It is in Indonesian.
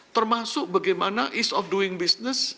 termasuk bagaimana ease of doing business